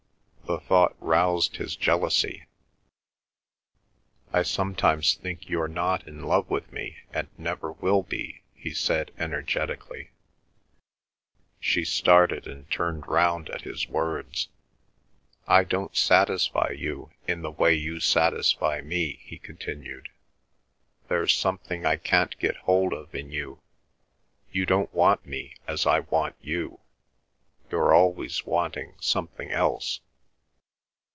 The thought roused his jealousy. "I sometimes think you're not in love with me and never will be," he said energetically. She started and turned round at his words. "I don't satisfy you in the way you satisfy me," he continued. "There's something I can't get hold of in you. You don't want me as I want you—you're always wanting something else."